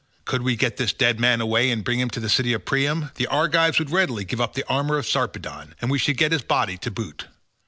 Could we get this dead man away and bring him into the city of Priam, the Argives would readily give up the armour of Sarpedon, and we should get his body to boot.